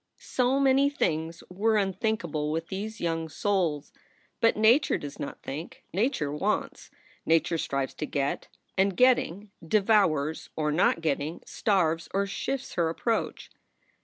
So many things were unthinkable with these young souls! But Nature does not think! Nature wants. Nature strives to get, and getting, devours or not getting, starves or shifts her approach.